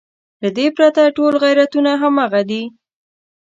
له دې پرته ټول غیرتونه همغه دي.